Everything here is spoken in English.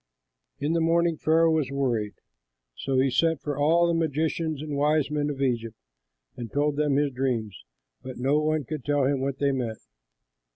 In the morning Pharaoh was worried. So he sent for all the magicians and wise men of Egypt and told them his dreams; but no one could tell him what they meant.